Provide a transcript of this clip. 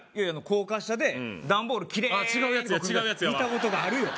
高架下でダンボールキレイに違うやつや違うやつやわ見たことがあるよ